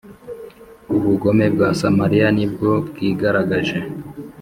ubugome bwa Samariya ni bwo byigaragaje;